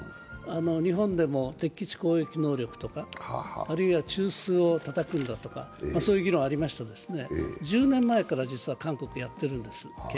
日本でも敵基地攻撃能力とかあるいは中枢をたたくんだという議論がありましたけれども、１０年前から、実は韓国は計画をやっているんです。